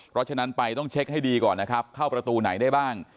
เพราะฉะนั้นไปต้องเช็คให้ดีก่อนนะครับเข้าประตูไหนได้บ้าง